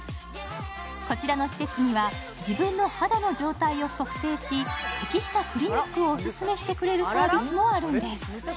こちらの施設には、自分の肌の状態を測定し、適したクリニックをオススメしてくれるサービスもあるんです。